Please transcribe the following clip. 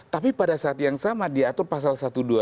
tapi pada saat yang sama diatur pasal satu ratus dua puluh satu